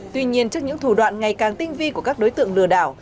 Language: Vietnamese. tuy nhiên trước những thủ đoạn ngày càng tinh vi của các đối tượng lừa đảo